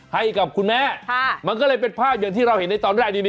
ให้กับคุณแม่มันก็เลยเป็นภาพอย่างที่เราเห็นในตอนแรกนี่